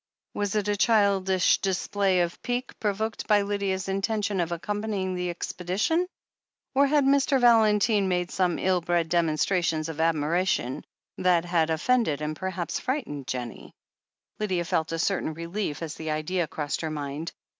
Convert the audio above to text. Was it a childish display of pique provoked by Lydia's intention of accompanying the expedition ? Or had Mr. Valentine made some ill bred demonstrations of admiration that had offended and perhaps frightened Jennie ? Lydia felt a certain relief as the idea crossed her mind.